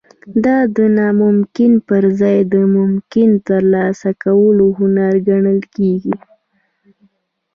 دا د ناممکن پرځای د ممکنه ترلاسه کولو هنر ګڼل کیږي